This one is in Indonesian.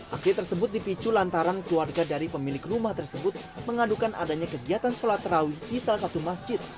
aksi tersebut dipicu lantaran keluarga dari pemilik rumah tersebut mengadukan adanya kegiatan sholat terawih di salah satu masjid